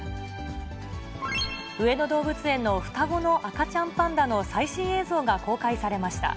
上野動物園の双子の赤ちゃんパンダの最新映像が公開されました。